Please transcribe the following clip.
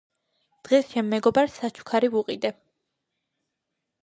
დღეს ჩემ მეგობარს საჩუქარი ვუყიდე